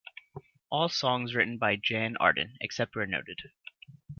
All songs written by Jann Arden, except where noted.